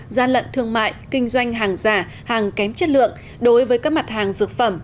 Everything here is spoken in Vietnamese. gian lận thương mại kinh doanh hàng giả hàng kém chất lượng đối với các mặt hàng dược phẩm